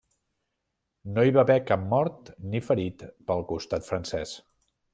No hi va haver cap mort ni ferit pel costat francès.